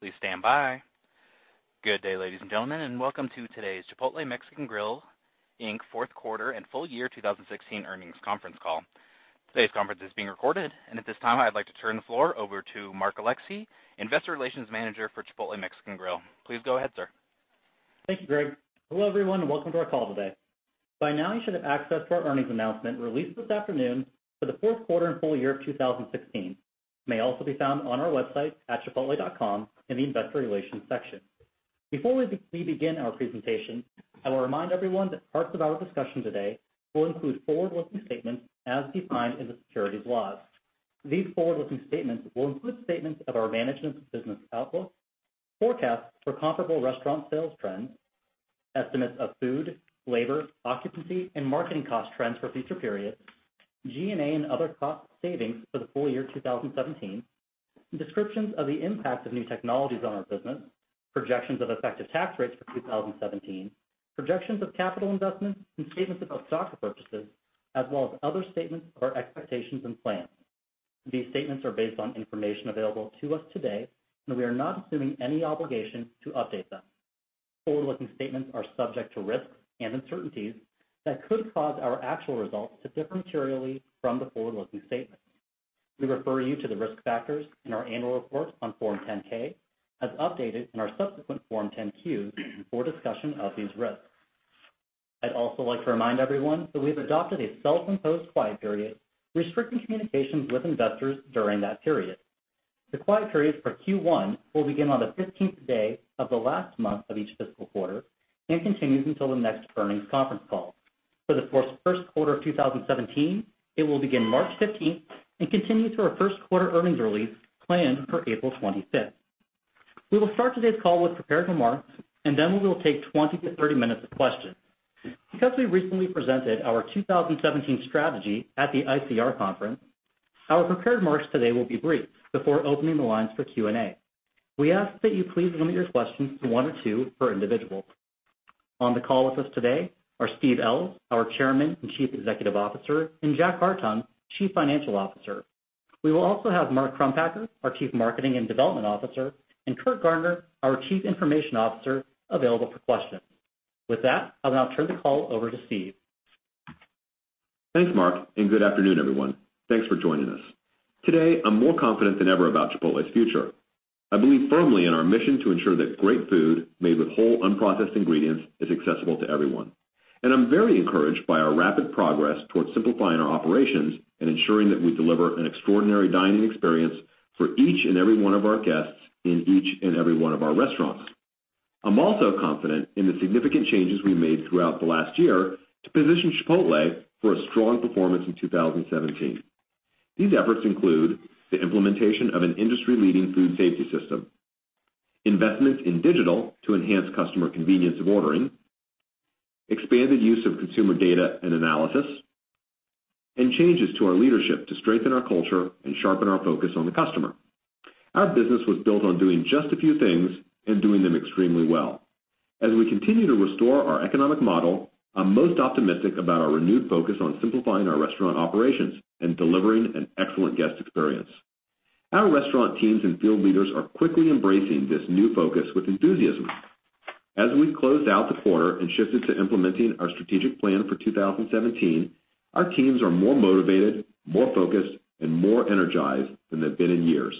Please stand by. Good day, ladies and gentlemen, welcome to today's Chipotle Mexican Grill, Inc. fourth quarter and full year 2016 earnings conference call. Today's conference is being recorded. At this time, I'd like to turn the floor over to Mark Alexee, investor relations manager for Chipotle Mexican Grill. Please go ahead, sir. Thank you, Greg. Hello, everyone, welcome to our call today. By now you should have access to our earnings announcement released this afternoon for the fourth quarter and full year of 2016. It may also be found on our website at chipotle.com in the investor relations section. Before we begin our presentation, I will remind everyone that parts of our discussion today will include forward-looking statements as defined in the securities laws. These forward-looking statements will include statements of our management's business outlook, forecasts for comparable restaurant sales trends, estimates of food, labor, occupancy, and marketing cost trends for future periods, G&A and other cost savings for the full year 2017, descriptions of the impact of new technologies on our business, projections of effective tax rates for 2017, projections of capital investments, statements about stock purchases, as well as other statements of our expectations and plans. These statements are based on information available to us today. We are not assuming any obligation to update them. Forward-looking statements are subject to risks and uncertainties that could cause our actual results to differ materially from the forward-looking statements. We refer you to the risk factors in our annual report on Form 10-K as updated in our subsequent Form 10-Q for a discussion of these risks. I'd also like to remind everyone that we've adopted a self-imposed quiet period, restricting communications with investors during that period. The quiet periods for Q1 will begin on the 15th day of the last month of each fiscal quarter and continue until the next earnings conference call. For the first quarter of 2017, it will begin March 15th and continue through our first quarter earnings release planned for April 25th. We will start today's call with prepared remarks. Then we will take 20 to 30 minutes of questions. Because we recently presented our 2017 strategy at the ICR conference, our prepared remarks today will be brief before opening the lines for Q&A. We ask that you please limit your questions to one or two per individual. On the call with us today are Steve Ells, our Chairman and Chief Executive Officer, and Jack Hartung, Chief Financial Officer. We will also have Mark Crumpacker, our Chief Marketing and Development Officer, Curt Garner, our Chief Information Officer, available for questions. With that, I'll now turn the call over to Steve. Thanks, Mark. Good afternoon, everyone. Thanks for joining us. Today, I'm more confident than ever about Chipotle's future. I believe firmly in our mission to ensure that great food made with whole, unprocessed ingredients is accessible to everyone. I'm very encouraged by our rapid progress towards simplifying our operations and ensuring that we deliver an extraordinary dining experience for each and every one of our guests in each and every one of our restaurants. I'm also confident in the significant changes we made throughout the last year to position Chipotle for a strong performance in 2017. These efforts include the implementation of an industry-leading food safety system, investments in digital to enhance customer convenience of ordering, expanded use of consumer data and analysis, and changes to our leadership to strengthen our culture and sharpen our focus on the customer. Our business was built on doing just a few things and doing them extremely well. As we continue to restore our economic model, I'm most optimistic about our renewed focus on simplifying our restaurant operations and delivering an excellent guest experience. Our restaurant teams and field leaders are quickly embracing this new focus with enthusiasm. As we've closed out the quarter and shifted to implementing our strategic plan for 2017, our teams are more motivated, more focused, and more energized than they've been in years.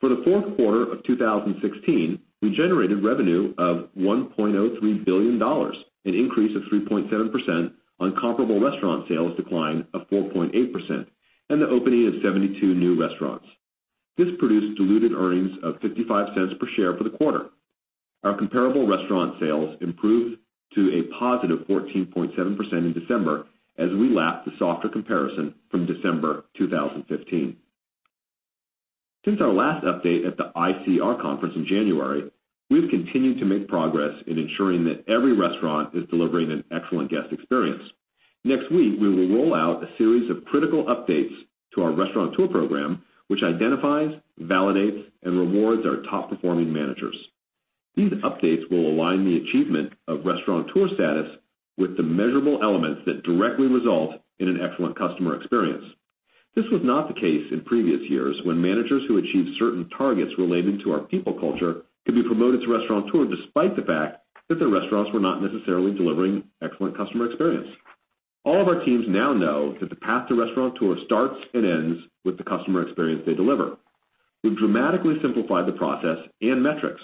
For the fourth quarter of 2016, we generated revenue of $1.03 billion, an increase of 3.7% on comparable restaurant sales decline of 4.8%, and the opening of 72 new restaurants. This produced diluted earnings of $0.55 per share for the quarter. Our comparable restaurant sales improved to a positive 14.7% in December as we lapped the softer comparison from December 2015. Since our last update at the ICR conference in January, we've continued to make progress in ensuring that every restaurant is delivering an excellent guest experience. Next week, we will roll out a series of critical updates to our Restaurateur program, which identifies, validates, and rewards our top-performing managers. These updates will align the achievement of Restaurateur status with the measurable elements that directly result in an excellent customer experience. This was not the case in previous years when managers who achieved certain targets related to our people culture could be promoted to Restaurateur, despite the fact that their restaurants were not necessarily delivering excellent customer experience. All of our teams now know that the path to Restaurateur starts and ends with the customer experience they deliver. We've dramatically simplified the process and metrics.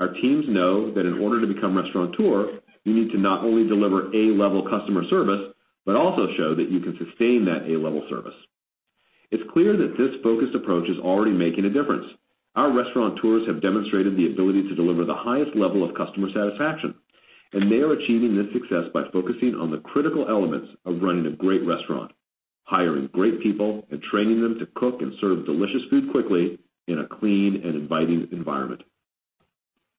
Our teams know that in order to become Restaurateur, you need to not only deliver A-level customer service, but also show that you can sustain that A-level service. It's clear that this focused approach is already making a difference. Our Restaurateurs have demonstrated the ability to deliver the highest level of customer satisfaction. They are achieving this success by focusing on the critical elements of running a great restaurant, hiring great people, and training them to cook and serve delicious food quickly in a clean and inviting environment.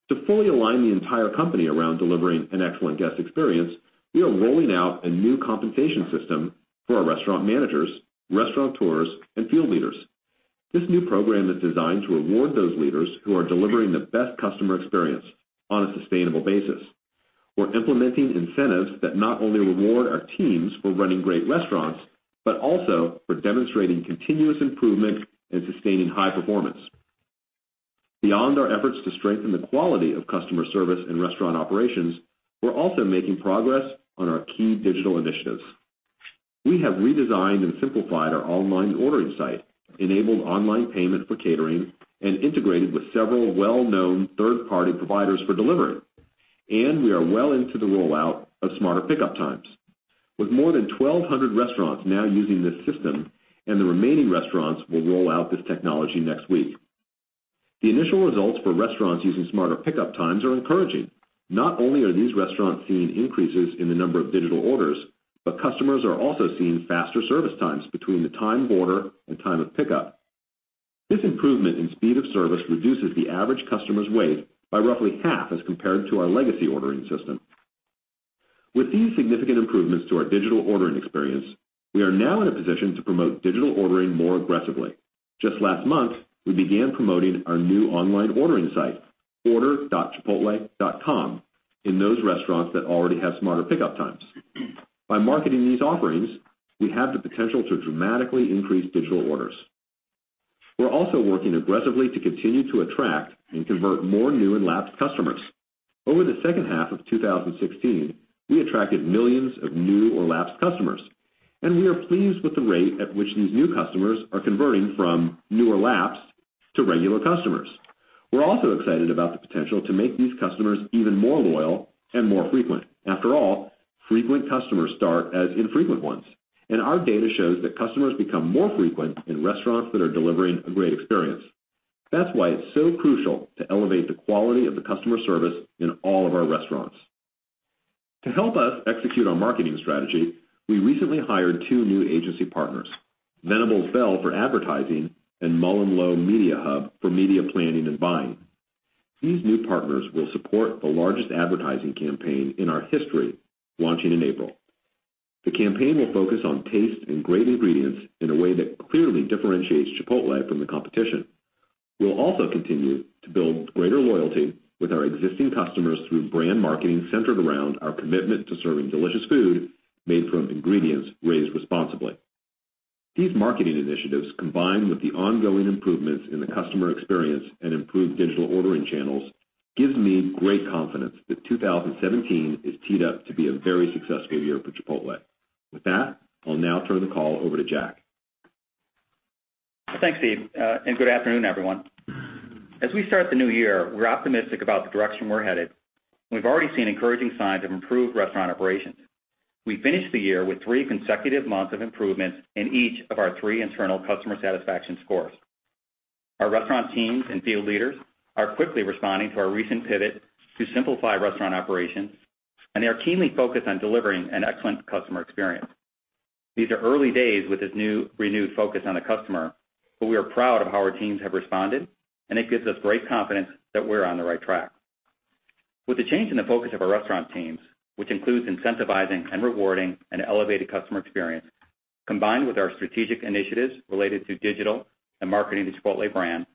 To fully align the entire company around delivering an excellent guest experience, we are rolling out a new compensation system for our restaurant managers, Restaurateurs, and field leaders. This new program is designed to reward those leaders who are delivering the best customer experience on a sustainable basis. We're implementing incentives that not only reward our teams for running great restaurants, but also for demonstrating continuous improvement and sustaining high performance. Beyond our efforts to strengthen the quality of customer service and restaurant operations, we're also making progress on our key digital initiatives. We have redesigned and simplified our online ordering site, enabled online payment for catering, and integrated with several well-known third-party providers for delivery. We are well into the rollout of Smarter Pickup Times, with more than 1,200 restaurants now using this system, and the remaining restaurants will roll out this technology next week. The initial results for restaurants using Smarter Pickup Times are encouraging. Not only are these restaurants seeing increases in the number of digital orders, but customers are also seeing faster service times between the time of order and time of pickup. This improvement in speed of service reduces the average customer's wait by roughly half as compared to our legacy ordering system. With these significant improvements to our digital ordering experience, we are now in a position to promote digital ordering more aggressively. Just last month, we began promoting our new online ordering site, order.chipotle.com, in those restaurants that already have Smarter Pickup Times. By marketing these offerings, we have the potential to dramatically increase digital orders. We're also working aggressively to continue to attract and convert more new and lapsed customers. Over the second half of 2016, we attracted millions of new or lapsed customers, and we are pleased with the rate at which these new customers are converting from new or lapsed to regular customers. We're also excited about the potential to make these customers even more loyal and more frequent. After all, frequent customers start as infrequent ones, and our data shows that customers become more frequent in restaurants that are delivering a great experience. That's why it's so crucial to elevate the quality of the customer service in all of our restaurants. To help us execute our marketing strategy, we recently hired two new agency partners, Venables Bell for advertising and MullenLowe Mediahub for media planning and buying. These new partners will support the largest advertising campaign in our history, launching in April. The campaign will focus on taste and great ingredients in a way that clearly differentiates Chipotle from the competition. We'll also continue to build greater loyalty with our existing customers through brand marketing centered around our commitment to serving delicious food made from ingredients raised responsibly. These marketing initiatives, combined with the ongoing improvements in the customer experience and improved digital ordering channels, gives me great confidence that 2017 is teed up to be a very successful year for Chipotle. With that, I'll now turn the call over to Jack. Thanks, Steve. Good afternoon, everyone. As we start the new year, we're optimistic about the direction we're headed, we've already seen encouraging signs of improved restaurant operations. We finished the year with three consecutive months of improvements in each of our three internal customer satisfaction scores. Our restaurant teams and field leaders are quickly responding to our recent pivot to simplify restaurant operations, they are keenly focused on delivering an excellent customer experience. These are early days with this renewed focus on the customer, we are proud of how our teams have responded, it gives us great confidence that we're on the right track. With the change in the focus of our restaurant teams, which includes incentivizing and rewarding an elevated customer experience, combined with our strategic initiatives related to digital and marketing the Chipotle brand,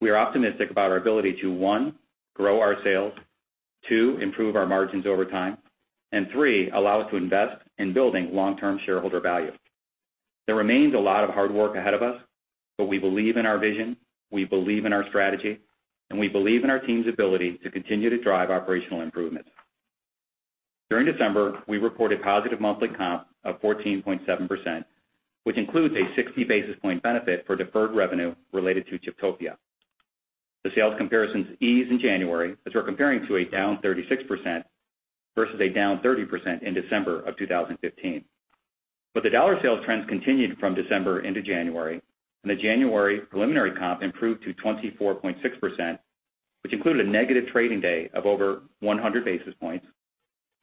we are optimistic about our ability to, one, grow our sales, two, improve our margins over time, three, allow us to invest in building long-term shareholder value. There remains a lot of hard work ahead of us, we believe in our vision, we believe in our strategy, we believe in our team's ability to continue to drive operational improvements. During December, we reported positive monthly comp of 14.7%, which includes a 60-basis-point benefit for deferred revenue related to Chiptopia. The sales comparisons ease in January as we're comparing to a down 36% versus a down 30% in December of 2015. The dollar sales trends continued from December into January, the January preliminary comp improved to 24.6%, which included a negative trading day of over 100 basis points,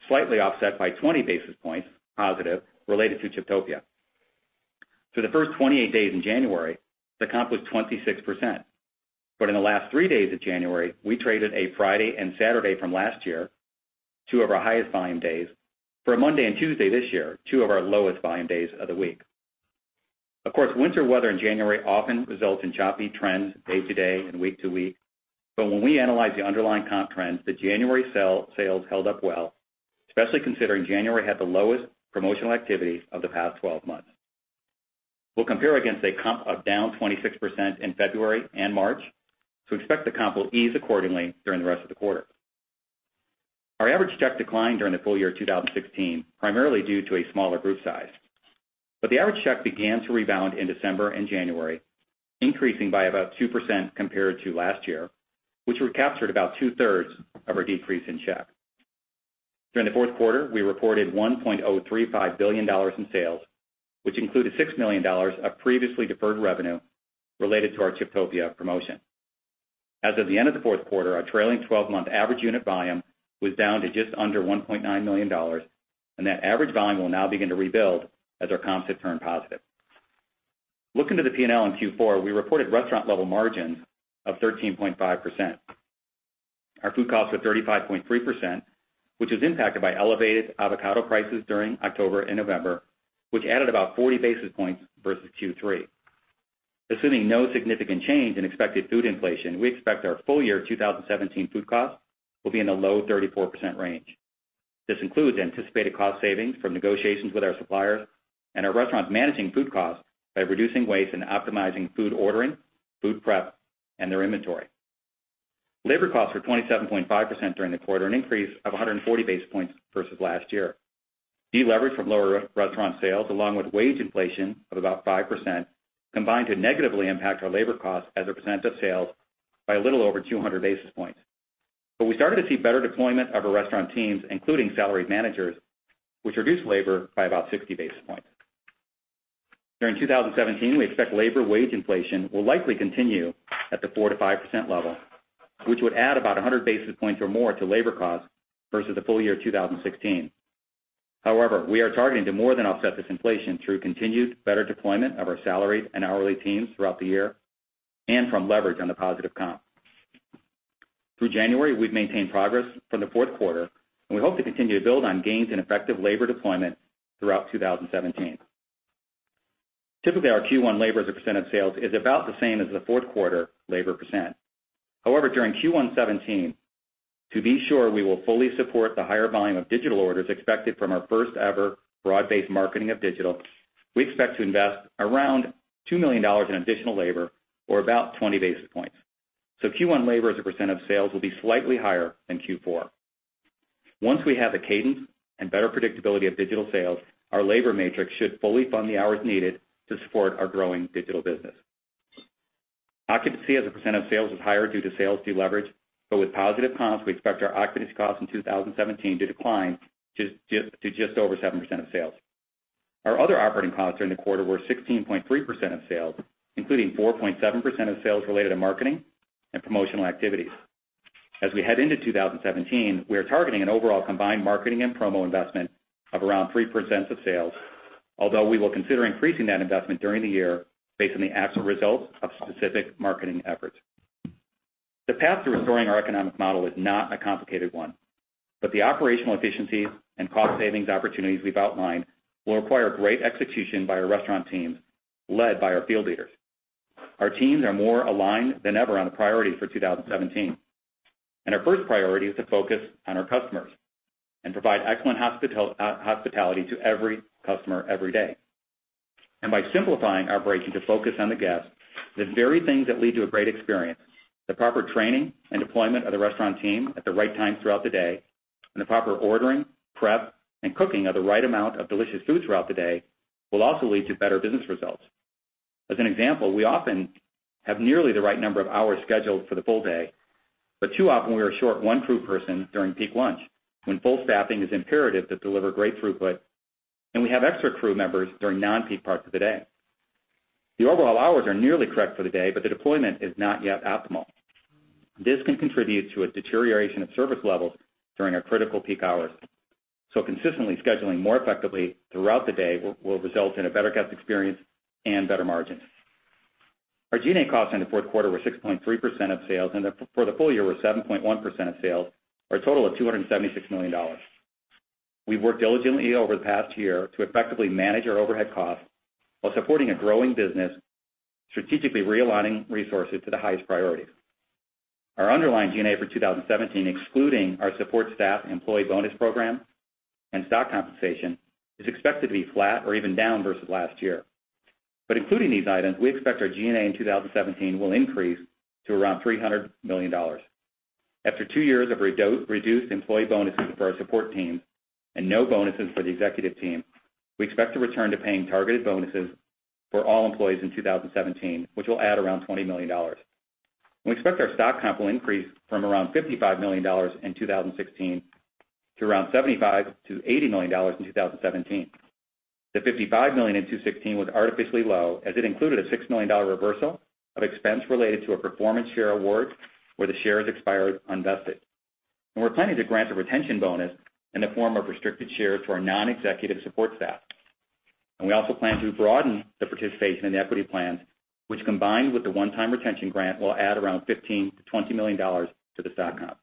slightly offset by 20 basis points positive related to Chiptopia. For the first 28 days in January, the comp was 26%, in the last three days of January, we traded a Friday and Saturday from last year, two of our highest volume days, for a Monday and Tuesday this year, two of our lowest volume days of the week. Of course, winter weather in January often results in choppy trends day to day and week to week. When we analyze the underlying comp trends, the January sales held up well, especially considering January had the lowest promotional activity of the past 12 months. We'll compare against a comp of down 26% in February and March. Expect the comp will ease accordingly during the rest of the quarter. Our average check declined during the full year 2016, primarily due to a smaller group size. The average check began to rebound in December and January, increasing by about 2% compared to last year, which recaptured about two-thirds of our decrease in check. During the fourth quarter, we reported $1.035 billion in sales, which included $6 million of previously deferred revenue related to our Chiptopia promotion. As of the end of the fourth quarter, our trailing 12-month average unit volume was down to just under $1.9 million, that average volume will now begin to rebuild as our comps have turned positive. Looking to the P&L in Q4, we reported restaurant level margins of 13.5%. Our food costs were 35.3%, which was impacted by elevated avocado prices during October and November, which added about 40 basis points versus Q3. Assuming no significant change in expected food inflation, we expect our full year 2017 food costs will be in the low 34% range. This includes anticipated cost savings from negotiations with our suppliers and our restaurants managing food costs by reducing waste and optimizing food ordering, food prep, and their inventory. Labor costs were 27.5% during the quarter, an increase of 140 basis points versus last year. Delevered from lower restaurant sales, along with wage inflation of about 5%, combined to negatively impact our labor costs as a percent of sales by a little over 200 basis points. We started to see better deployment of our restaurant teams, including salaried managers, which reduced labor by about 60 basis points. During 2017, we expect labor wage inflation will likely continue at the 4% to 5% level, which would add about 100 basis points or more to labor costs versus the full year 2016. We are targeting to more than offset this inflation through continued better deployment of our salaried and hourly teams throughout the year, and from leverage on the positive comp. Through January, we've maintained progress from the fourth quarter, and we hope to continue to build on gains in effective labor deployment throughout 2017. Typically, our Q1 labor as a percent of sales is about the same as the fourth quarter labor percent. However, during Q1 2017, to be sure we will fully support the higher volume of digital orders expected from our first ever broad-based marketing of digital, we expect to invest around $2 million in additional labor or about 20 basis points. Q1 labor as a percent of sales will be slightly higher than Q4. Once we have the cadence and better predictability of digital sales, our labor matrix should fully fund the hours needed to support our growing digital business. Occupancy as a percent of sales was higher due to sales deleverage, but with positive comps, we expect our occupancy costs in 2017 to decline to just over 7% of sales. Our other operating costs during the quarter were 16.3% of sales, including 4.7% of sales related to marketing and promotional activities. As we head into 2017, we are targeting an overall combined marketing and promo investment of around 3% of sales, although we will consider increasing that investment during the year based on the actual results of specific marketing efforts. The path to restoring our economic model is not a complicated one. The operational efficiencies and cost savings opportunities we've outlined will require great execution by our restaurant teams, led by our field leaders. Our teams are more aligned than ever on the priorities for 2017. Our first priority is to focus on our customers and provide excellent hospitality to every customer every day. By simplifying our operation to focus on the guest, the very things that lead to a great experience, the proper training and deployment of the restaurant team at the right time throughout the day, and the proper ordering, prep, and cooking of the right amount of delicious food throughout the day, will also lead to better business results. As an example, we often have nearly the right number of hours scheduled for the full day, but too often we are short one crew person during peak lunch, when full staffing is imperative to deliver great throughput, and we have extra crew members during non-peak parts of the day. The overall hours are nearly correct for the day, but the deployment is not yet optimal. This can contribute to a deterioration of service levels during our critical peak hours. Consistently scheduling more effectively throughout the day will result in a better guest experience and better margins. Our G&A costs in the fourth quarter were 6.3% of sales, and for the full year were 7.1% of sales, or a total of $276 million. We've worked diligently over the past year to effectively manage our overhead costs while supporting a growing business, strategically realigning resources to the highest priorities. Our underlying G&A for 2017, excluding our support staff employee bonus program and stock compensation, is expected to be flat or even down versus last year. Including these items, we expect our G&A in 2017 will increase to around $300 million. After two years of reduced employee bonuses for our support team and no bonuses for the executive team, we expect to return to paying targeted bonuses for all employees in 2017, which will add around $20 million. We expect our stock comp will increase from around $55 million in 2016 to around $75 million-$80 million in 2017. The $55 million in 2016 was artificially low as it included a $6 million reversal of expense related to a performance share award where the shares expired unvested. We're planning to grant a retention bonus in the form of restricted shares to our non-executive support staff. We also plan to broaden the participation in the equity plans, which combined with the one-time retention grant, will add around $15 million-$20 million to the stock comp.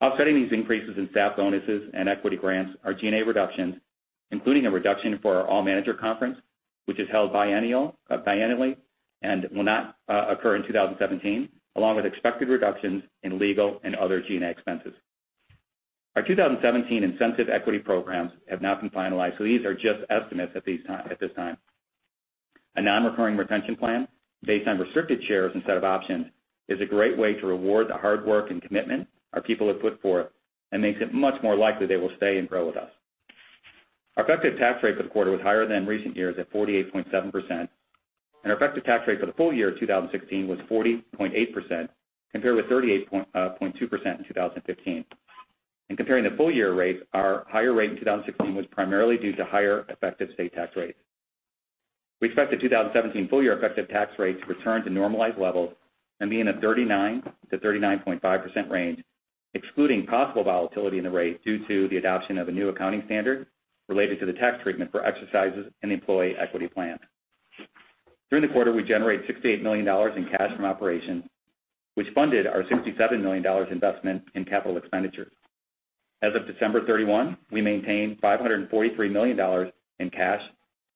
Offsetting these increases in staff bonuses and equity grants are G&A reductions, including a reduction for our all manager conference, which is held biannually and will not occur in 2017, along with expected reductions in legal and other G&A expenses. Our 2017 incentive equity programs have not been finalized, these are just estimates at this time. A non-recurring retention plan based on restricted shares instead of options is a great way to reward the hard work and commitment our people have put forth and makes it much more likely they will stay and grow with us. Our effective tax rate for the quarter was higher than in recent years at 48.7%, and our effective tax rate for the full year 2016 was 40.8%, compared with 38.2% in 2015. In comparing the full year rates, our higher rate in 2016 was primarily due to higher effective state tax rates. We expect the 2017 full year effective tax rates to return to normalized levels and be in a 39%-39.5% range, excluding possible volatility in the rate due to the adoption of a new accounting standard related to the tax treatment for exercises in employee equity plans. During the quarter, we generated $68 million in cash from operations, which funded our $67 million investment in CapEx. As of December 31, we maintained $543 million in cash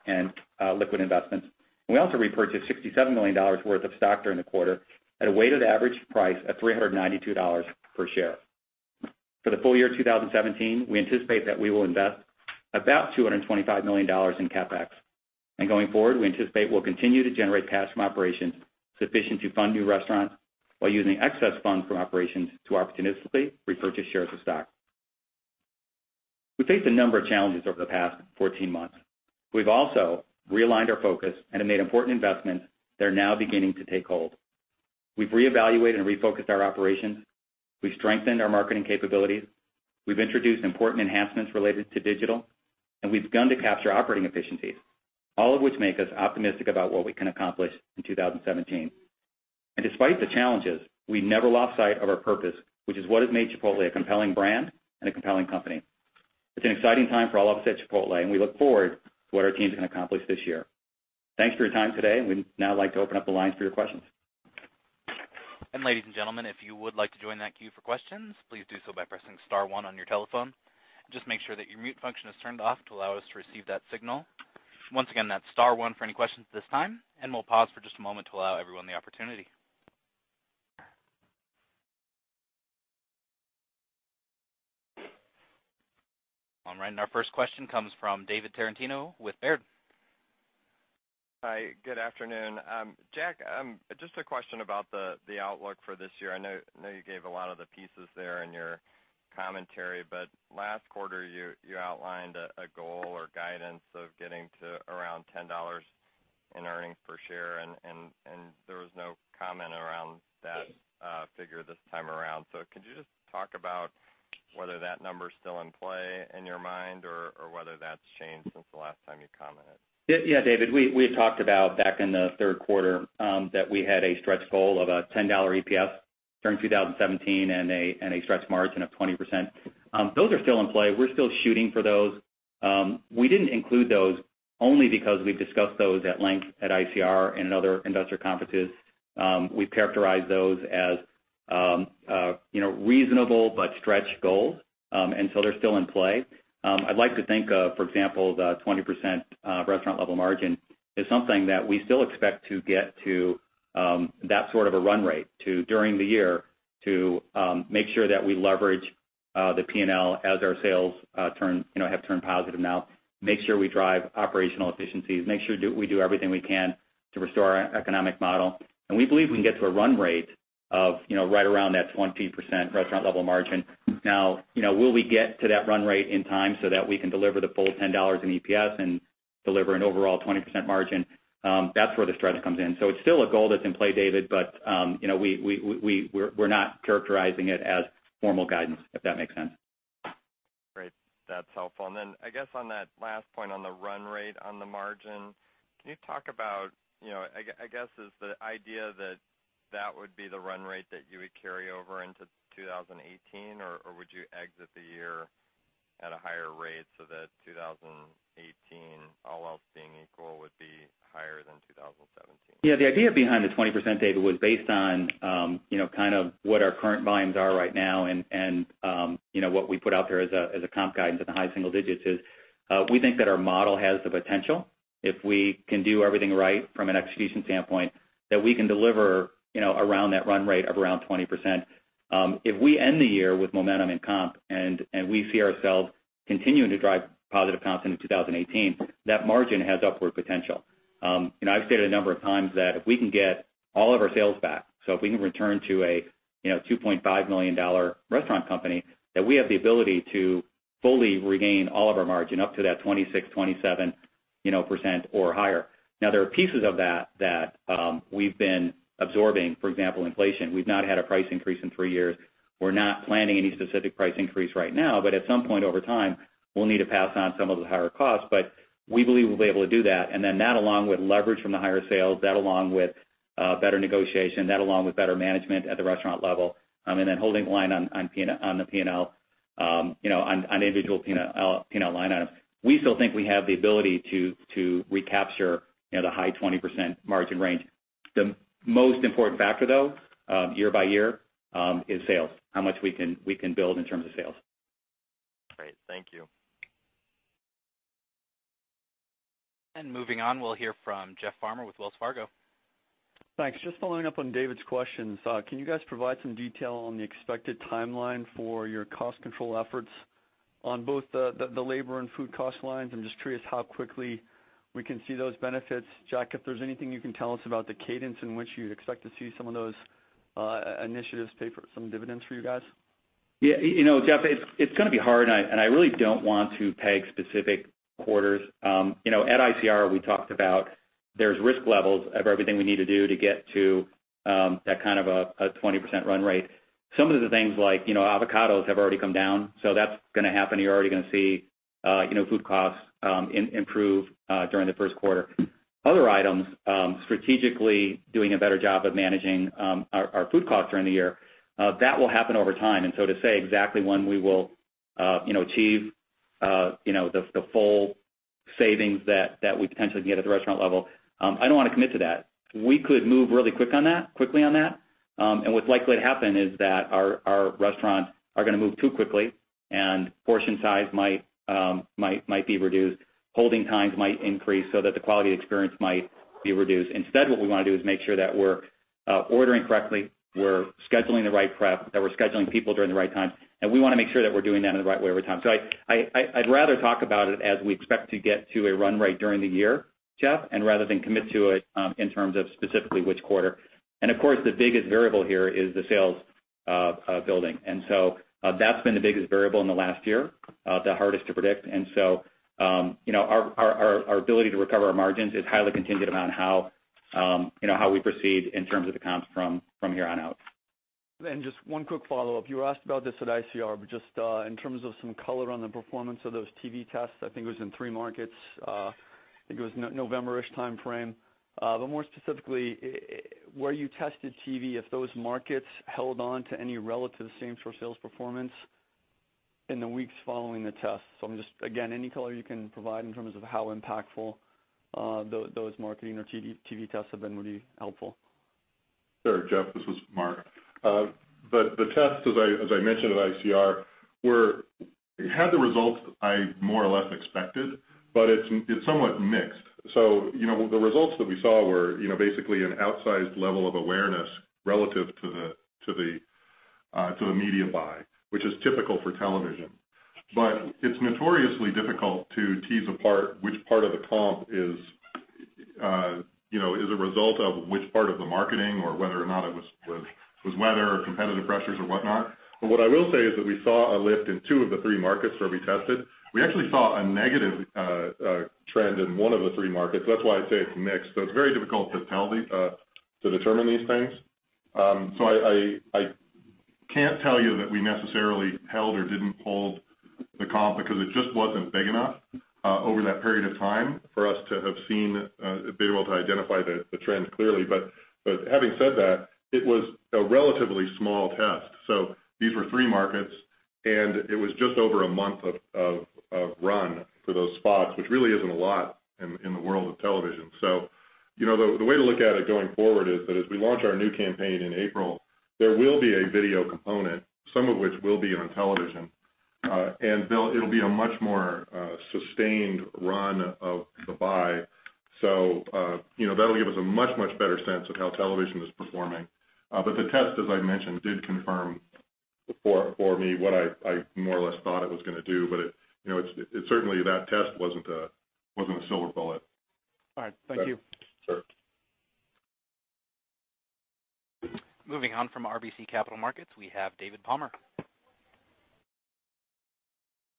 and liquid investments. We also repurchased $67 million worth of stock during the quarter at a weighted average price of $392 per share. For the full year 2017, we anticipate that we will invest about $225 million in CapEx. Going forward, we anticipate we'll continue to generate cash from operations sufficient to fund new restaurants while using excess funds from operations to opportunistically repurchase shares of stock. We faced a number of challenges over the past 14 months. We've also realigned our focus and have made important investments that are now beginning to take hold. We've reevaluated and refocused our operations. We've strengthened our marketing capabilities. We've introduced important enhancements related to digital, and we've begun to capture operating efficiencies, all of which make us optimistic about what we can accomplish in 2017. Despite the challenges, we never lost sight of our purpose, which is what has made Chipotle a compelling brand and a compelling company. It's an exciting time for all of us at Chipotle, and we look forward to what our teams can accomplish this year. Thanks for your time today. We'd now like to open up the lines for your questions. Ladies and gentlemen, if you would like to join that queue for questions, please do so by pressing *1 on your telephone. Just make sure that your mute function is turned off to allow us to receive that signal. Once again, that's *1 for any questions at this time, and we'll pause for just a moment to allow everyone the opportunity. All right, our first question comes from David Tarantino with Baird. Hi, good afternoon. Jack, just a question about the outlook for this year. I know you gave a lot of the pieces there in your commentary, but last quarter you outlined a goal or guidance of getting to around $10 in earnings per share, and there was no comment around that figure this time around. Could you just talk about whether that number's still in play in your mind, or whether that's changed since the last time you commented? David, we had talked about back in the third quarter that we had a stretch goal of a $10 EPS during 2017 and a stretch margin of 20%. Those are still in play. We're still shooting for those. We didn't include those only because we've discussed those at length at ICR and other investor conferences. We've characterized those as reasonable but stretch goals. They're still in play. I'd like to think of, for example, the 20% restaurant level margin is something that we still expect to get to that sort of a run rate during the year to make sure that we leverage the P&L as our sales have turned positive now, make sure we drive operational efficiencies, make sure we do everything we can to restore our economic model. We believe we can get to a run rate of right around that 20% restaurant level margin. Now, will we get to that run rate in time so that we can deliver the full $10 in EPS and deliver an overall 20% margin? That's where the stretch comes in. It's still a goal that's in play, David, but we're not characterizing it as formal guidance, if that makes sense. Great. That's helpful. I guess on that last point on the run rate on the margin, can you talk about, I guess, is the idea that that would be the run rate that you would carry over into 2018? Or would you exit the year at a higher rate so that 2018, all else being equal, would be higher than 2017? The idea behind the 20%, David, was based on what our current volumes are right now and what we put out there as a comp guidance in the high single digits is, we think that our model has the potential, if we can do everything right from an execution standpoint, that we can deliver around that run rate of around 20%. If we end the year with momentum in comp and we see ourselves continuing to drive positive comps into 2018, that margin has upward potential. I've stated a number of times that if we can get all of our sales back, so if we can return to a $2.5 million restaurant company, that we have the ability to fully regain all of our margin up to that 26%, 27% or higher. There are pieces of that that we've been absorbing, for example, inflation. We've not had a price increase in three years. We're not planning any specific price increase right now, but at some point over time, we'll need to pass on some of the higher costs. We believe we'll be able to do that. That along with leverage from the higher sales, that along with better negotiation, that along with better management at the restaurant level, holding the line on the P&L, on individual P&L line items. We still think we have the ability to recapture the high 20% margin range. The most important factor, though, year by year, is sales, how much we can build in terms of sales. Great. Thank you. Moving on, we'll hear from Jeff Farmer with Wells Fargo. Thanks. Just following up on David's questions. Can you guys provide some detail on the expected timeline for your cost control efforts on both the labor and food cost lines? I'm just curious how quickly we can see those benefits. Jack, if there's anything you can tell us about the cadence in which you'd expect to see some of those initiatives pay some dividends for you guys. Yeah, Jeff, it's going to be hard, and I really don't want to peg specific quarters. At ICR, we talked about there's risk levels of everything we need to do to get to that kind of a 20% run rate. Some of the things like avocados have already come down, so that's going to happen. You're already going to see food costs improve during the first quarter. Other items, strategically doing a better job of managing our food costs during the year, that will happen over time. To say exactly when we will achieve the full savings that we potentially can get at the restaurant level, I don't want to commit to that. We could move really quickly on that. What's likely to happen is that our restaurants are going to move too quickly and portion size might be reduced, holding times might increase, so that the quality of experience might be reduced. Instead, what we want to do is make sure that we're ordering correctly, we're scheduling the right prep, that we're scheduling people during the right times, and we want to make sure that we're doing that in the right way every time. I'd rather talk about it as we expect to get to a run rate during the year, Jeff, and rather than commit to it in terms of specifically which quarter. Of course, the biggest variable here is the sales building. That's been the biggest variable in the last year, the hardest to predict. Our ability to recover our margins is highly contingent upon how we proceed in terms of the comps from here on out. Just one quick follow-up. You were asked about this at ICR, but just in terms of some color on the performance of those TV tests, I think it was in three markets, I think it was November-ish timeframe. More specifically, where you tested TV, if those markets held on to any relative same-store sales performance in the weeks following the test. Again, any color you can provide in terms of how impactful those marketing or TV tests have been would be helpful. Sure, Jeff, this is Mark. The tests, as I mentioned at ICR, had the results I more or less expected, but it's somewhat mixed. The results that we saw were basically an outsized level of awareness relative to the media buy, which is typical for television. It's notoriously difficult to tease apart which part of the comp is a result of which part of the marketing or whether or not it was weather or competitive pressures or whatnot. What I will say is that we saw a lift in two of the three markets where we tested. We actually saw a negative trend in one of the three markets. That's why I say it's mixed. It's very difficult to determine these things. I can't tell you that we necessarily held or didn't hold the comp because it just wasn't big enough over that period of time for us to have been able to identify the trend clearly. Having said that, it was a relatively small test. These were three markets, and it was just over a month of run for those spots, which really isn't a lot in the world of television. The way to look at it going forward is that as we launch our new campaign in April, there will be a video component, some of which will be on television. It'll be a much more sustained run of the buy. That'll give us a much, much better sense of how television is performing. The test, as I mentioned, did confirm for me what I more or less thought it was going to do. Certainly that test wasn't a silver bullet. All right. Thank you. Sure. Moving on from RBC Capital Markets, we have David Palmer.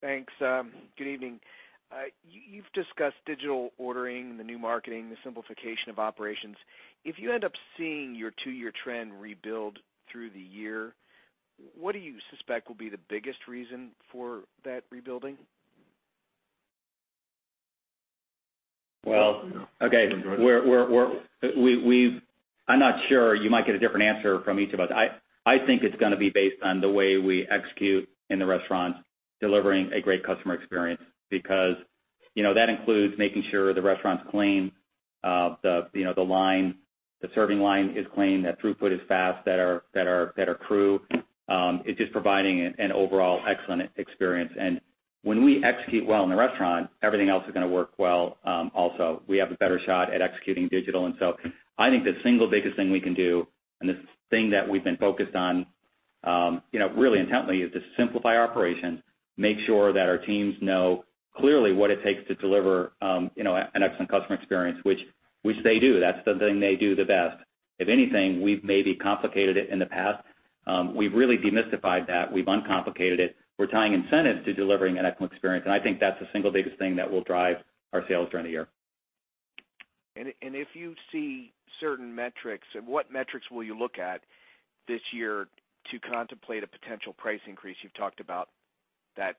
Thanks. Good evening. You've discussed digital ordering, the new marketing, the simplification of operations. If you end up seeing your two-year trend rebuild through the year, what do you suspect will be the biggest reason for that rebuilding? Well, okay. I'm not sure. You might get a different answer from each of us. I think it's going to be based on the way we execute in the restaurant, delivering a great customer experience, because that includes making sure the restaurant's clean, the serving line is clean, that throughput is fast, that our crew is just providing an overall excellent experience. When we execute well in the restaurant, everything else is going to work well also. We have a better shot at executing digital, so I think the single biggest thing we can do, and the thing that we've been focused on really intently, is to simplify our operation, make sure that our teams know clearly what it takes to deliver an excellent customer experience, which they do. That's the thing they do the best. If anything, we've maybe complicated it in the past. We've really demystified that. We've uncomplicated it. We're tying incentives to delivering an excellent experience, I think that's the single biggest thing that will drive our sales during the year. If you see certain metrics, what metrics will you look at this year to contemplate a potential price increase? You've talked about that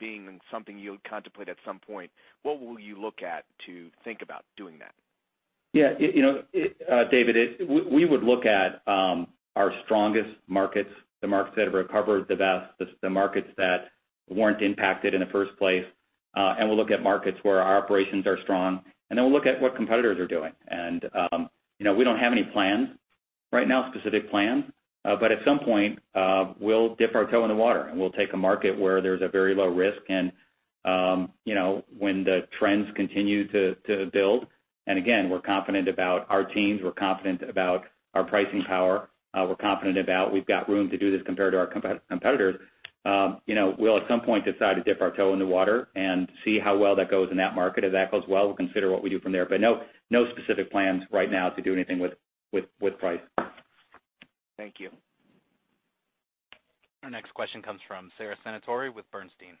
being something you'll contemplate at some point. What will you look at to think about doing that? Yeah. David, we would look at our strongest markets, the markets that have recovered the best, the markets that weren't impacted in the first place. We'll look at markets where our operations are strong. Then we'll look at what competitors are doing. We don't have any plans right now, specific plans. At some point, we'll dip our toe in the water. We'll take a market where there's a very low risk and when the trends continue to build. Again, we're confident about our teams, we're confident about our pricing power. We're confident about we've got room to do this compared to our competitors. We'll at some point decide to dip our toe in the water and see how well that goes in that market. If that goes well, we'll consider what we do from there. No specific plans right now to do anything with price. Thank you. Our next question comes from Sara Senatore with Bernstein.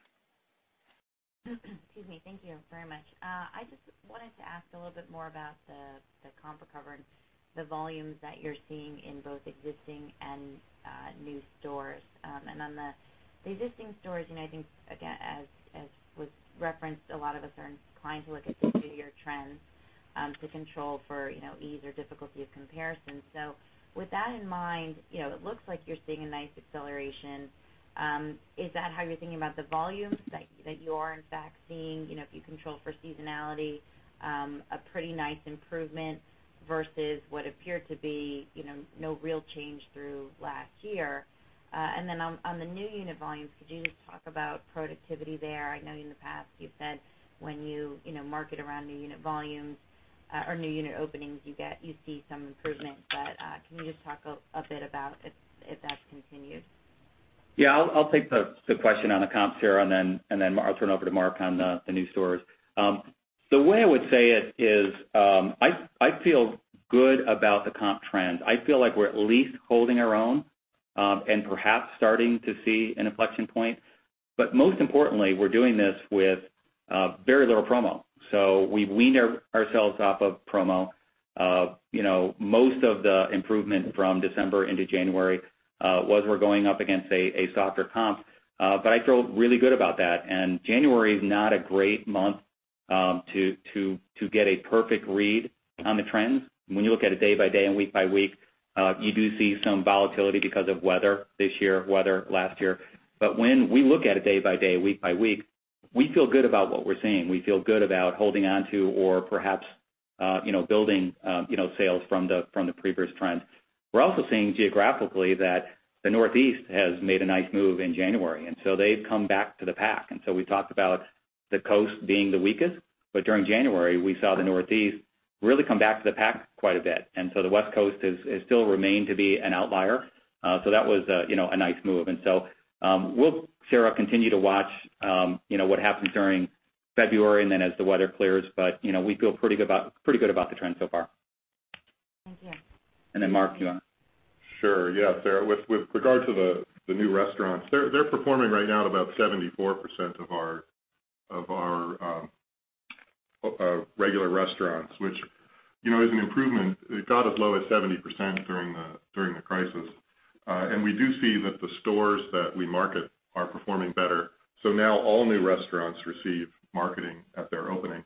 Excuse me. Thank you very much. I just wanted to ask a little bit more about the comp recovery and the volumes that you're seeing in both existing and new stores. On the existing stores, I think again, as was referenced, a lot of us are inclined to look at the two-year trends. To control for ease or difficulty of comparison. With that in mind, it looks like you're seeing a nice acceleration. Is that how you're thinking about the volumes that you are in fact seeing, if you control for seasonality, a pretty nice improvement versus what appeared to be no real change through last year? On the new unit volumes, could you just talk about productivity there? I know in the past you've said when you market around new unit volumes or new unit openings, you see some improvement, can you just talk a bit about if that's continued? Yeah, I'll take the question on the comps here, and then I'll turn over to Mark on the new stores. The way I would say it is, I feel good about the comp trends. I feel like we're at least holding our own, and perhaps starting to see an inflection point. Most importantly, we're doing this with very little promo. We've weaned ourselves off of promo. Most of the improvement from December into January was we're going up against a softer comp. I feel really good about that, and January is not a great month to get a perfect read on the trends. When you look at it day by day and week by week, you do see some volatility because of weather this year, weather last year. When we look at it day by day, week by week, we feel good about what we're seeing. We feel good about holding onto or perhaps building sales from the previous trends. We're also seeing geographically that the Northeast has made a nice move in January, they've come back to the pack. We talked about the coast being the weakest, but during January, we saw the Northeast really come back to the pack quite a bit. The West Coast has still remained to be an outlier. That was a nice move. We'll, Sara, continue to watch what happens during February and then as the weather clears, but we feel pretty good about the trend so far. Thank you. Mark, you want to- Sure. Yeah, Sara, with regard to the new restaurants, they're performing right now at about 74% of our regular restaurants, which is an improvement. It got as low as 70% during the crisis. We do see that the stores that we market are performing better. Now all new restaurants receive marketing at their opening.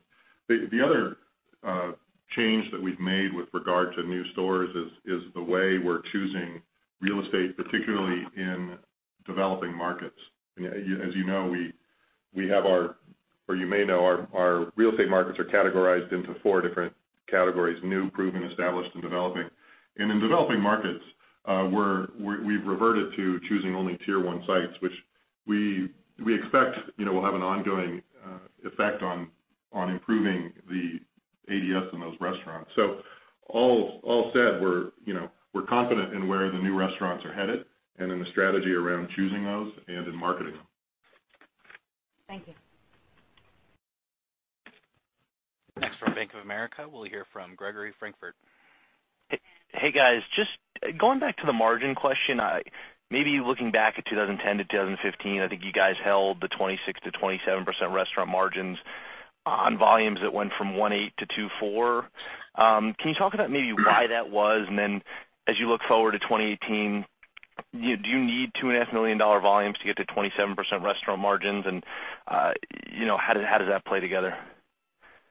The other change that we've made with regard to new stores is the way we're choosing real estate, particularly in developing markets. As you know, or you may know, our real estate markets are categorized into four different categories, new, proven, established, and developing. In developing markets, we've reverted to choosing only tier 1 sites, which we expect will have an ongoing effect on improving the ADS in those restaurants. All said, we're confident in where the new restaurants are headed and in the strategy around choosing those and in marketing them. Thank you. From Bank of America, we'll hear from Gregory Francfort. Hey, guys. Just going back to the margin question, maybe looking back at 2010 to 2015, I think you guys held the 26%-27% restaurant margins on volumes that went from 1.8 to 2.4. Can you talk about maybe why that was? As you look forward to 2018, do you need $2.5 million volumes to get to 27% restaurant margins? How does that play together?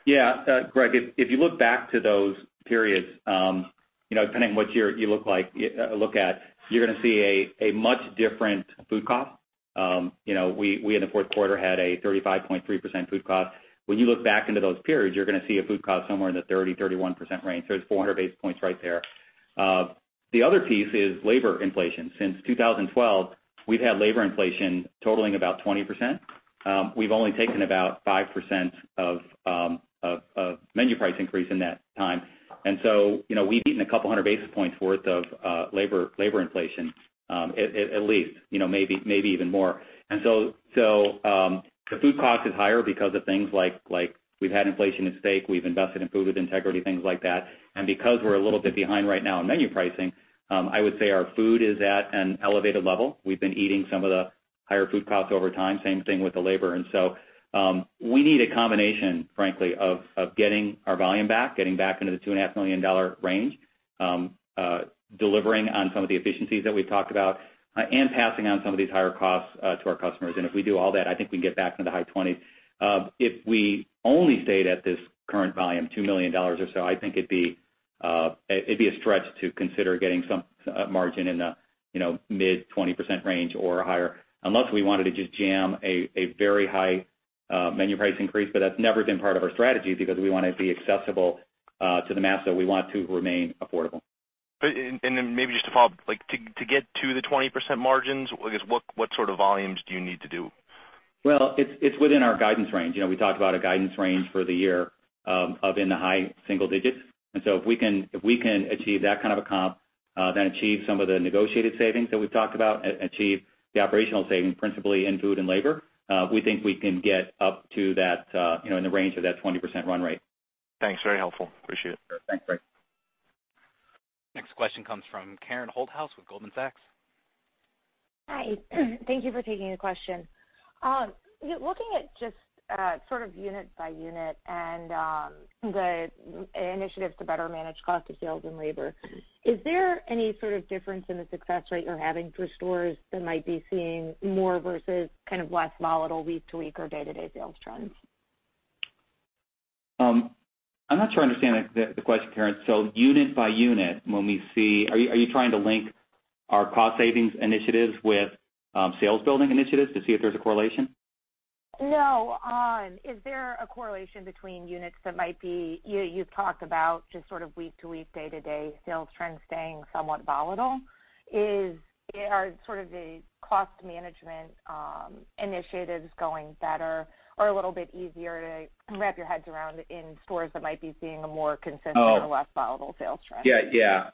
Yeah. Greg, if you look back to those periods, depending on what year you look at, you're going to see a much different food cost. We in the fourth quarter had a 35.3% food cost. When you look back into those periods, you're going to see a food cost somewhere in the 30%, 31% range. There's 400 basis points right there. The other piece is labor inflation. Since 2012, we've had labor inflation totaling about 20%. We've only taken about 5% of menu price increase in that time. We've eaten a couple of hundred basis points worth of labor inflation, at least, maybe even more. The food cost is higher because of things like we've had inflation in steak, we've invested in Food with Integrity, things like that. Because we're a little bit behind right now in menu pricing, I would say our food is at an elevated level. We've been eating some of the higher food costs over time, same thing with the labor. We need a combination, frankly, of getting our volume back, getting back into the $2.5 million range, delivering on some of the efficiencies that we've talked about, and passing on some of these higher costs to our customers. If we do all that, I think we can get back into the high 20s. If we only stayed at this current volume, $2 million or so, I think it'd be a stretch to consider getting some margin in the mid 20% range or higher, unless we wanted to just jam a very high menu price increase. That's never been part of our strategy because we want to be accessible to the mass, so we want to remain affordable. Maybe just to follow up, to get to the 20% margins, I guess what sort of volumes do you need to do? Well, it's within our guidance range. We talked about a guidance range for the year of in the high single digits. If we can achieve that kind of a comp, then achieve some of the negotiated savings that we've talked about, achieve the operational savings principally in food and labor, we think we can get up to that in the range of that 20% run rate. Thanks, very helpful. Appreciate it. Sure. Thanks, Greg. Next question comes from Karen Holthouse with Goldman Sachs. Hi. Thank you for taking the question. Looking at just unit by unit and the initiatives to better manage cost of sales and labor, is there any sort of difference in the success rate you're having for stores that might be seeing more versus less volatile week-to-week or day-to-day sales trends? I'm not sure I understand the question, Karen. Unit by unit, are you trying to link our cost savings initiatives with sales building initiatives to see if there's a correlation? No. Is there a correlation between units that. You've talked about just sort of week to week, day to day sales trends staying somewhat volatile. Are the cost management initiatives going better or a little bit easier to wrap your heads around in stores that might be seeing a more consistent or less volatile sales trend? Yeah.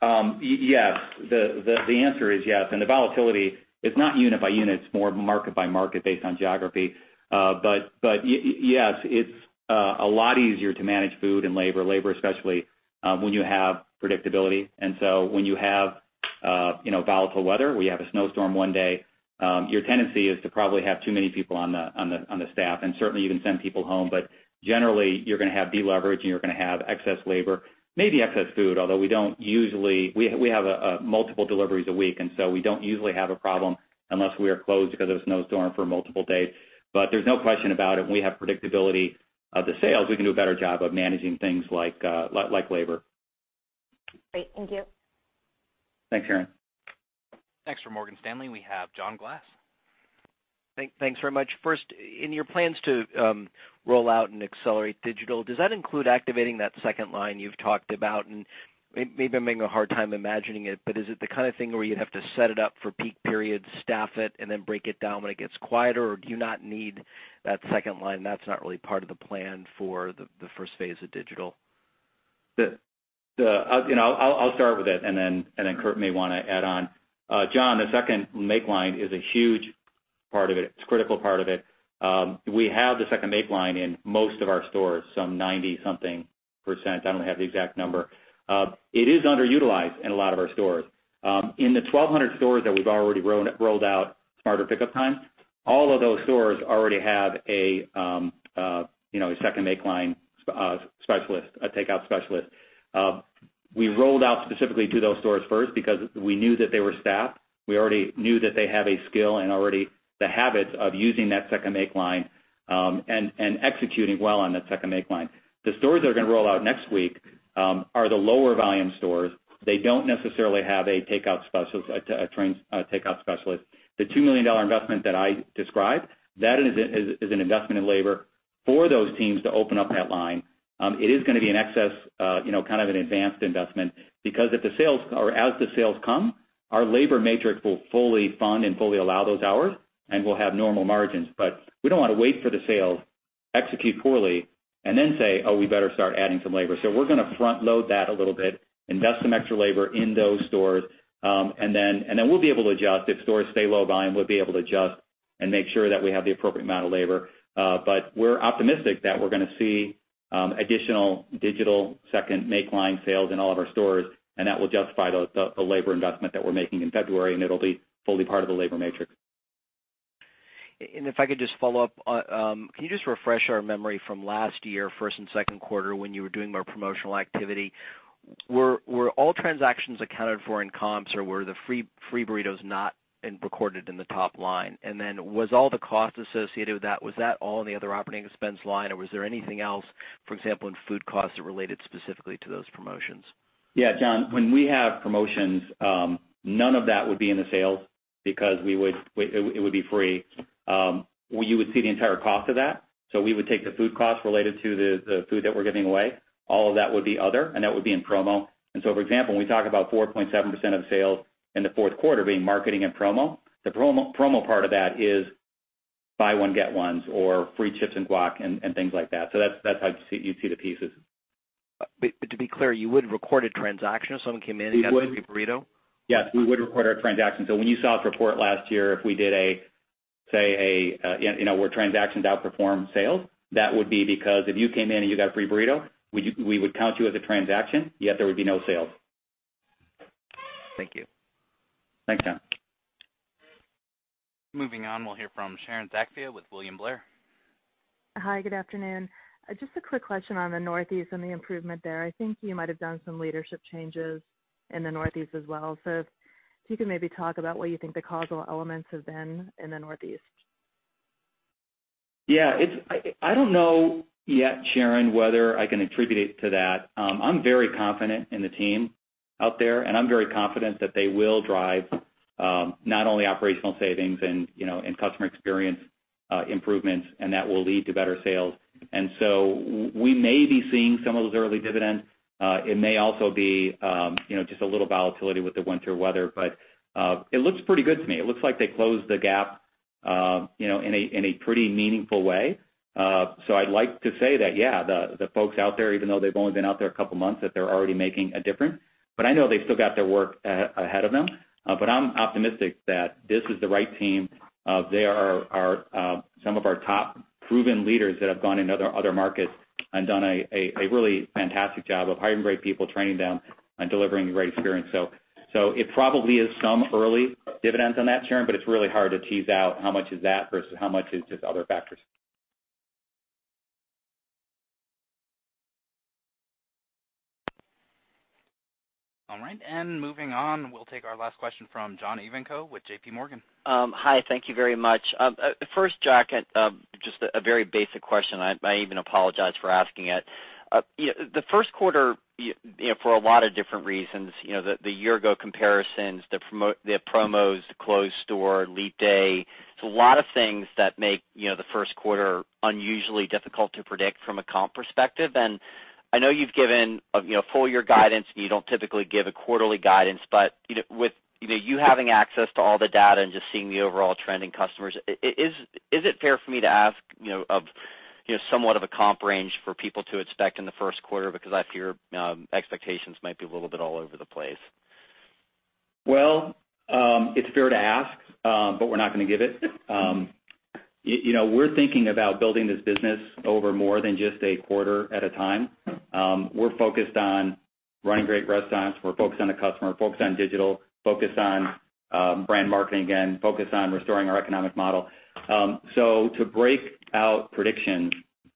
The answer is yes. The volatility is not unit by unit, it's more market by market based on geography. Yes, it's a lot easier to manage food and labor especially, when you have predictability. When you have volatile weather, we have a snowstorm one day, your tendency is to probably have too many people on the staff and certainly even send people home. Generally, you're going to have de-leveraging, you're going to have excess labor, maybe excess food, although we have multiple deliveries a week. We don't usually have a problem unless we are closed because of a snowstorm for multiple days. There's no question about it. When we have predictability of the sales, we can do a better job of managing things like labor. Great. Thank you. Thanks, Karen. Thanks. For Morgan Stanley, we have John Glass. Thanks very much. First, in your plans to roll out and accelerate digital, does that include activating that second line you've talked about? Maybe I'm having a hard time imagining it, but is it the kind of thing where you'd have to set it up for peak periods, staff it, then break it down when it gets quieter? Do you not need that second line? That's not really part of the plan for the first phase of digital? I'll start with it, then Curt may want to add on. John, the second make line is a huge part of it. It's a critical part of it. We have the second make line in most of our stores, some 90 something %. I don't have the exact number. It is underutilized in a lot of our stores. In the 1,200 stores that we've already rolled out Smarter Pickup Times, all of those stores already have a second make line specialist, a takeout specialist. We rolled out specifically to those stores first because we knew that they were staffed. We already knew that they have a skill and already the habits of using that second make line, and executing well on that second make line. The stores that are going to roll out next week are the lower volume stores. They don't necessarily have a trained takeout specialist. The $2 million investment that I described, that is an investment in labor for those teams to open up that line. It is going to be an excess, kind of an advanced investment, because as the sales come, our labor matrix will fully fund and fully allow those hours, and we'll have normal margins. We don't want to wait for the sale, execute poorly, and then say, "Oh, we better start adding some labor." We're going to front load that a little bit, invest some extra labor in those stores, and then we'll be able to adjust. If stores stay low volume, we'll be able to adjust and make sure that we have the appropriate amount of labor. We're optimistic that we're going to see additional digital second make line sales in all of our stores, and that will justify the labor investment that we're making in February, and it'll be fully part of the labor matrix. If I could just follow up, can you just refresh our memory from last year, first and second quarter, when you were doing more promotional activity. Were all transactions accounted for in comps, or were the free burritos not recorded in the top line? Was all the cost associated with that, was that all in the other operating expense line, or was there anything else, for example, in food costs that related specifically to those promotions? Yeah, John, when we have promotions, none of that would be in the sales because it would be free. You would see the entire cost of that. We would take the food cost related to the food that we're giving away. All of that would be other, and that would be in promo. For example, when we talk about 4.7% of sales in the fourth quarter being marketing and promo, the promo part of that is buy one, get ones, or free chips and guac and things like that. That's how you'd see the pieces. To be clear, you would record a transaction if someone came in and got a free burrito? Yes. We would record our transaction. When you saw us report last year, if we did a, say, where transactions outperformed sales, that would be because if you came in and you got a free burrito, we would count you as a transaction, yet there would be no sale. Thank you. Thanks, John. Moving on, we'll hear from Sharon Zackfia with William Blair. Hi, good afternoon. Just a quick question on the Northeast and the improvement there. I think you might have done some leadership changes in the Northeast as well. If you could maybe talk about what you think the causal elements have been in the Northeast. Yeah. I don't know yet, Sharon, whether I can attribute it to that. I'm very confident in the team out there, and I'm very confident that they will drive not only operational savings and customer experience improvements, and that will lead to better sales. We may be seeing some of those early dividends. It may also be just a little volatility with the winter weather, but it looks pretty good to me. It looks like they closed the gap in a pretty meaningful way. I'd like to say that, yeah, the folks out there, even though they've only been out there a couple of months, that they're already making a difference. I know they've still got their work ahead of them. I'm optimistic that this is the right team. They are some of our top proven leaders that have gone into other markets and done a really fantastic job of hiring great people, training them, and delivering a great experience. It probably is some early dividends on that, Sharon, but it's really hard to tease out how much is that versus how much is just other factors. Moving on, we'll take our last question from John Ivankoe with JP Morgan. Hi. Thank you very much. First, Jack, just a very basic question. I even apologize for asking it. The first quarter, for a lot of different reasons, the year-ago comparisons, the promos, the closed store, Leap Day. There's a lot of things that make the first quarter unusually difficult to predict from a comp perspective. I know you've given full year guidance, and you don't typically give a quarterly guidance, but with you having access to all the data and just seeing the overall trend in customers, is it fair for me to ask somewhat of a comp range for people to expect in the first quarter? I fear expectations might be a little bit all over the place. Well, it's fair to ask, we're not going to give it. We're thinking about building this business over more than just a quarter at a time. We're focused on running great restaurants. We're focused on the customer, focused on digital, focused on brand marketing again, focused on restoring our economic model. To break out predictions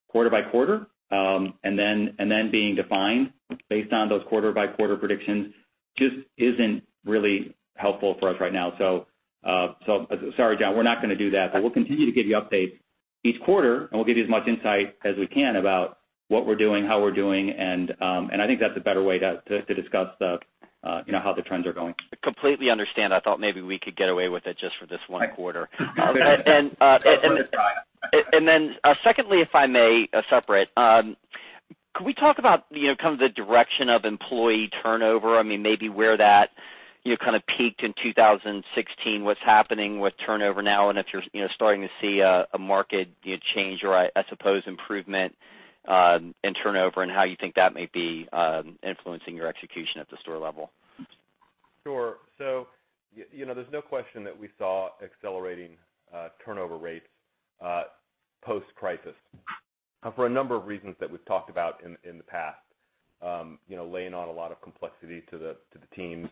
quarter by quarter, then being defined based on those quarter-by-quarter predictions just isn't really helpful for us right now. Sorry, John, we're not going to do that, we'll continue to give you updates each quarter, we'll give you as much insight as we can about what we're doing, how we're doing, I think that's a better way to discuss how the trends are going. Completely understand. I thought maybe we could get away with it just for this one quarter. Then secondly, if I may separate, could we talk about kind of the direction of employee turnover? I mean, maybe where that kind of peaked in 2016, what's happening with turnover now, and if you're starting to see a market change or, I suppose, improvement in turnover and how you think that may be influencing your execution at the store level. Sure. There's no question that we saw accelerating turnover rates post-crisis for a number of reasons that we've talked about in the past. Laying on a lot of complexity to the teams.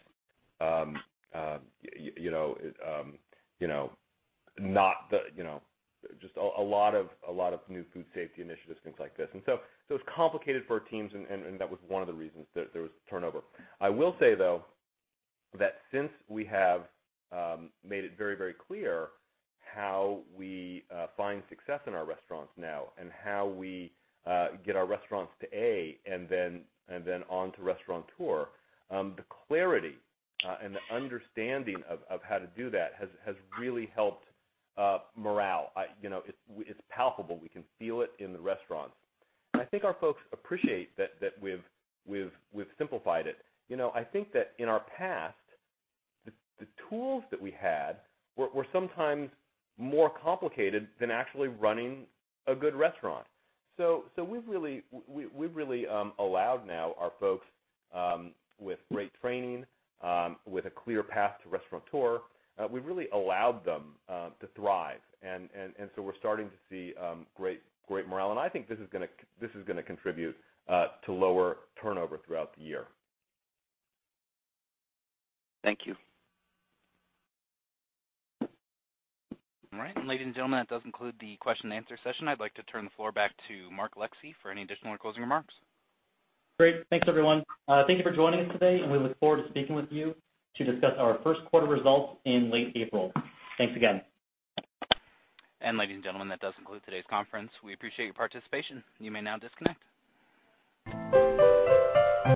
Just a lot of new food safety initiatives, things like this. It's complicated for our teams, and that was one of the reasons there was turnover. I will say, though, that since we have made it very clear how we find success in our restaurants now and how we get our restaurants to A and then on to Restaurateur, the clarity and the understanding of how to do that has really helped morale. It's palpable. We can feel it in the restaurants. I think our folks appreciate that we've simplified it. I think that in our past, the tools that we had were sometimes more complicated than actually running a good restaurant. We've really allowed now our folks, with great training, with a clear path to Restaurateur, we've really allowed them to thrive. We're starting to see great morale. I think this is going to contribute to lower turnover throughout the year. Thank you. All right. Ladies and gentlemen, that does conclude the question and answer session. I'd like to turn the floor back to Mark Alexee for any additional closing remarks. Great. Thanks, everyone. Thank you for joining us today. We look forward to speaking with you to discuss our first quarter results in late April. Thanks again. Ladies and gentlemen, that does conclude today's conference. We appreciate your participation. You may now disconnect.